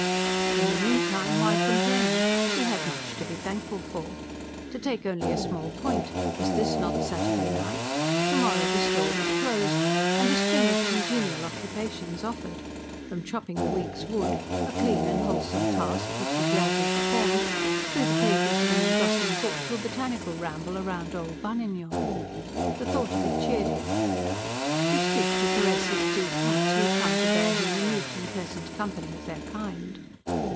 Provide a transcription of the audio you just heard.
In the meantime, why complain? He had much to be thankful for. To take only a small point: was this not Saturday night? To morrow the store was closed, and a string of congenial occupations offered: from chopping the week's wood a clean and wholesome task, which he gladly performed through the pages of an engrossing book to a botanical ramble round old Buninyong. The thought of it cheered him. He stooped to caress his two cats, which had come out to bear him the mute and pleasant company of their kind.